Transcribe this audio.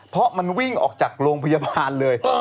เพราะมันวิ่งออกจากโรงพยาบาลเลย